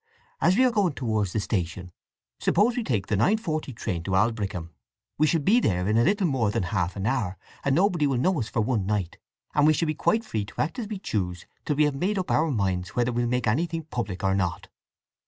As we are going towards the station, suppose we take the nine forty train to Aldbrickham? We shall be there in little more than half an hour, and nobody will know us for one night, and we shall be quite free to act as we choose till we have made up our minds whether we'll make anything public or not."